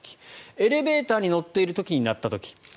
エレベーターに乗っている時に鳴った時。